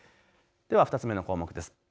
では２つ目の項目です。